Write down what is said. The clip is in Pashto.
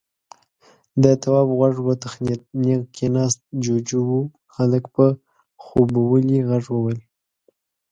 د تواب غوږ وتخنېد، نېغ کېناست. جُوجُو و. هلک په خوبولي غږ وويل: